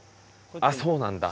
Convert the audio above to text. あっそうなんだ。